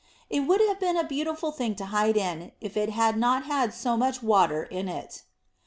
It would have been a beautiful thing to hide in, if it had not had so much water in it.